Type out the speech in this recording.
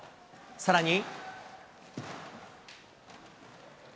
さらに。